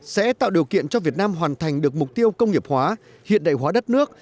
sẽ tạo điều kiện cho việt nam hoàn thành được mục tiêu công nghiệp hóa hiện đại hóa đất nước